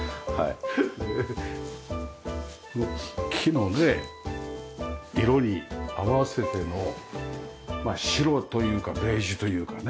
この木のね色に合わせての白というかベージュというかね。